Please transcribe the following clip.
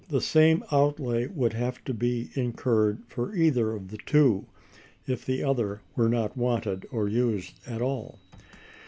The same outlay would have to be incurred for either of the two, if the other were not wanted or used at all.